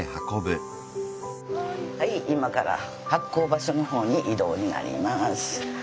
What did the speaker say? はい今から発酵場所のほうに移動になります。